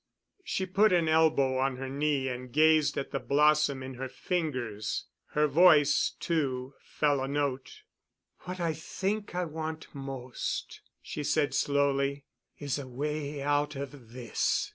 She put an elbow on her knee and gazed at the blossom in her fingers. Her voice, too, fell a note. "What I think I want most," she said slowly, "is a way out of this."